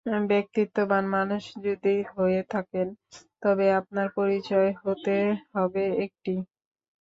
ব্যক্তিত্ববান মানুষ যদি হয়ে থাকেন, তবে আপনার পরিচয় হতে হবে একটিই।